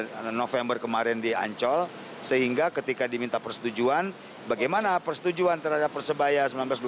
pada november kemarin di ancol sehingga ketika diminta persetujuan bagaimana persetujuan terhadap persebaya seribu sembilan ratus dua puluh